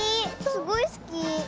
すごいすき。